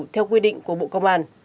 theo quy định của bộ công an